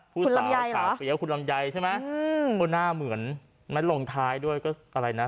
คุณลำไยหรอคุณลำไยใช่ไหมหน้าเหมือนไม่ลงท้ายด้วยก็อะไรนะ